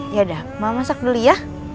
ya udah mama masak dulu ya